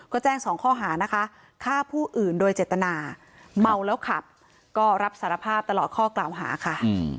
ก็แจ้งสองข้อหานะคะฆ่าผู้อื่นโดยเจตนาเมาแล้วขับก็รับสารภาพตลอดข้อกล่าวหาค่ะ